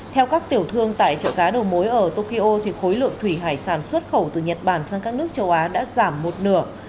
theo các tiểu thương tại chợ cá đầu mối ở tokyo khối lượng thủy hải sản xuất khẩu từ nhật bản sang các nước châu á đã giảm một nửa